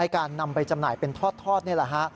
การนำไปจำหน่ายเป็นทอดนี่แหละฮะ